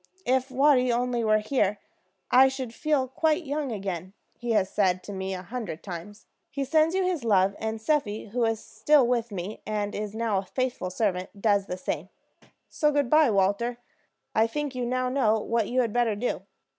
'If Watty only were here, I should feel quite young again,' he has said to me a hundred times. He sends you his love; and Seppi, who is still with me, and is now a faithful servant, does the same. So good by, Walter. I think you now know what you had better do."